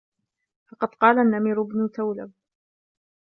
فَقَدْ قَالَ النَّمِرُ بْنُ تَوْلَبٍ